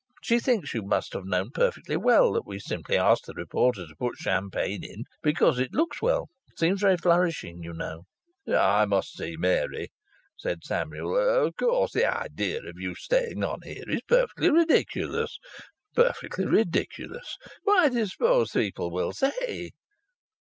She thinks you must have known perfectly well that we simply asked the reporter to put champagne in because it looks well seems very flourishing, you know." "I must see Mary," said Samuel. "Of course the idea of you staying on here is perfectly ridiculous, perfectly ridiculous. What do you suppose people will say?"